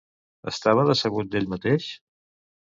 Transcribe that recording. Estava decebut d'ell mateix?